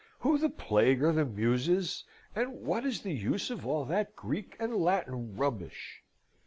Who the plague are the Muses, and what is the use of all that Greek and Latin rubbish?